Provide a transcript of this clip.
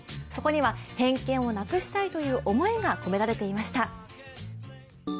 そこには偏見をなくしたいという思いが込められていました。